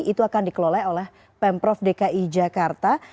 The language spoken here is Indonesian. itu akan dikelola oleh pemprov dki jakarta